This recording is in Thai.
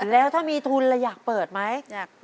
แล้วถ้ามีทุนเราอยากเปิดไหม